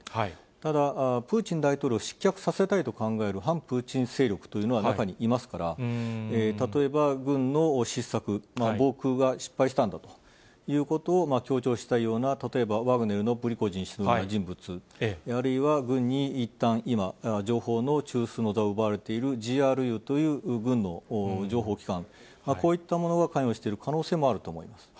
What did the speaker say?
ただ、プーチン大統領を失脚させたいと考える反プーチン勢力というのは中にいますから、例えば軍の失策、防空が失敗したんだということを強調したいような、例えばワグネルのプリゴジン氏のような人物、あるいは軍にいったん、今、情報の中枢の座を奪われている、ＧＲＵという軍の情報機関、こういったものが関与している可能性もあると思います。